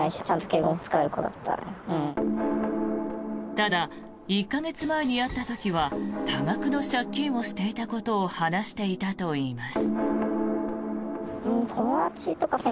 ただ、１か月前に会った時は多額の借金をしていたことを話していたといいます。